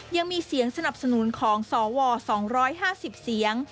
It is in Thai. ยังมีเสียงสนับสนุนของสว๒๕๐เสียง